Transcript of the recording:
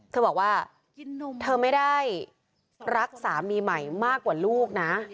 เธอบอกว่าเธอไม่ได้รักสามีใหม่มากกว่าลูกนะ